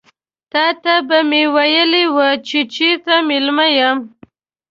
تاته به مې ويلي وي چې چيرته مېلمه یم.